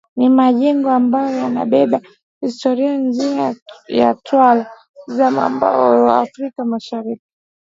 Ni majengo ambayo yanabeba historia nzima ya tawala za mwambao wa Afrika mashariki